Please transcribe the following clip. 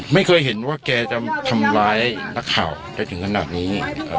ไม่เคยเห็นว่าแกจะทำร้ายนักข่าวแกถึงขนาดนี้